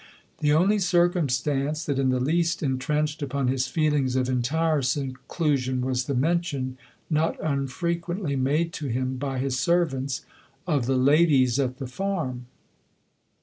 The only circumstance that in the least en trenched upon his feeling of entire seclusion, was the mention, not unfrequently made to him, by his servants, of the " ladies at the farm."